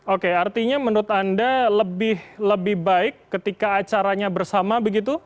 oke artinya menurut anda lebih baik ketika acaranya bersama begitu